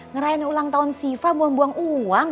ngerayani ulang tahun siva buang buang uang